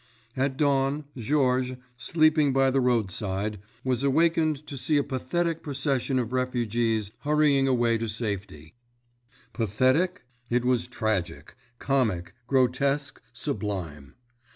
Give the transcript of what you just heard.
At dawn, Georges, sleeping by the road side, was awakened to see a pathetic procession of refugees hurrying away to safety. Pathetic? It was tragic, comic, grotesque, sublime!